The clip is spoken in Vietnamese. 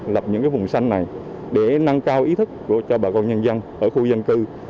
lập những vùng xanh này để nâng cao ý thức cho bà con nhân dân ở khu dân cư